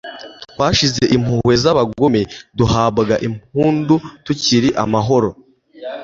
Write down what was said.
Twashize impuhwe z'abagome duhabwa impundu tukiri amahoro,